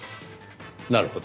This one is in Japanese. なるほど。